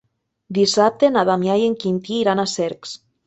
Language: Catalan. Dissabte na Damià i en Quintí iran a Cercs.